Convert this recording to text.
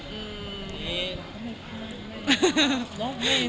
อืมเราก็ไม่พูดแล้วกันครับ